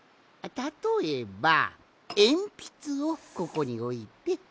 たとえばえんぴつをここにおいて。